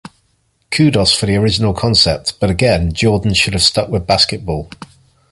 Kudos for the original concept, but again, Jordan should have stuck with basketball.